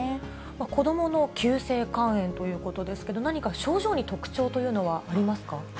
子どもの急性肝炎ということですけど、何か症状に特徴というのはありますか？